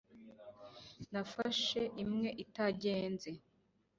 Nafashe imwe itagenze